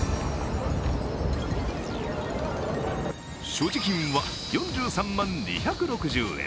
所持金は４３万２６０円。